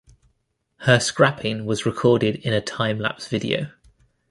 Her scrapping was recorded in a time-lapse video.